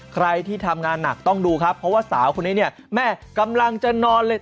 ใครที่ทำงานหนักต้องดูครับเพราะว่าสาวคนนี้เนี่ยแม่กำลังจะนอนเลย